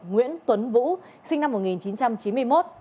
nguyễn tuấn vũ sinh năm một nghìn chín trăm chín mươi một